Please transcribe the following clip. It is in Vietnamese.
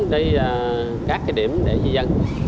đây là các cái điểm để di dân